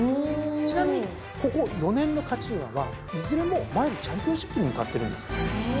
ちなみにここ４年の勝ち馬はいずれもマイルチャンピオンシップに向かってるんです。